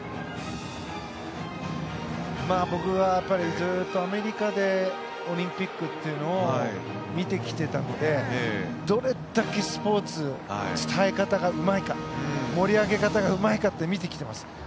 僕はやっぱりずっとアメリカでオリンピックというのを見てきていたのでどれだけスポーツの伝え方がうまいか盛り上げ方がうまいかって見てきてます。